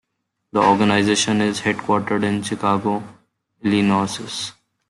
The organization is headquartered in Chicago, Illinois.